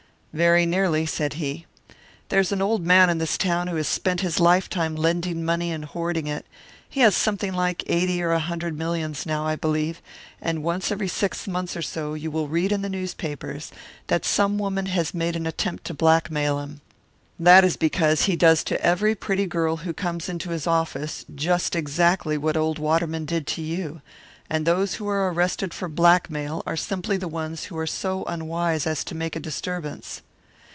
"Very nearly," said he. "There's an old man in this town who has spent his lifetime lending money and hoarding it; he has something like eighty or a hundred millions now, I believe, and once every six months or so you will read in the newspapers that some woman has made an attempt to blackmail him. That is because he does to every pretty girl who comes into his office just exactly what old Waterman did to you; and those who are arrested for blackmail are simply the ones who are so unwise as to make a disturbance."